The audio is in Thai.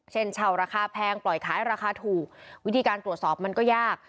เช่นเช่าราคาแพงปล่อยขายราคาถูกวิธีการตรวจสอบมันก็ยาก